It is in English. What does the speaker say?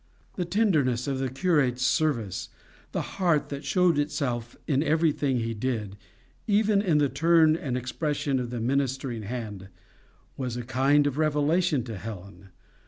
The tenderness of the curate's service, the heart that showed itself in everything he did, even in the turn and expression of the ministering hand, was a kind of revelation to Helen.